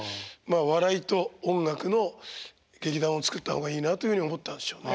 笑いと音楽の劇団を作った方がいいなというふうに思ったんでしょうね。